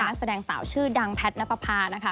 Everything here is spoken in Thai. นักแสดงสาวชื่อดังแพทย์นับประพานะคะ